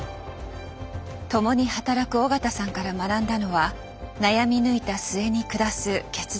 共に働く緒方さんから学んだのは悩み抜いた末に下す決断力。